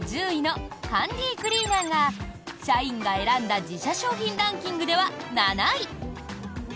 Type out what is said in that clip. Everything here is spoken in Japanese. １０位のハンディクリーナーが社員が選んだ自社商品ランキングでは７位！